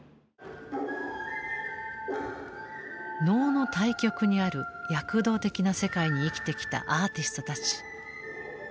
能の対極にある躍動的な世界に生きてきたアーティストたち。